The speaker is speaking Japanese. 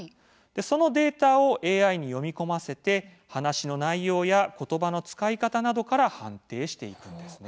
そのデータをＡＩに読み込ませて話の内容や言葉の使い方などから判定していくんです。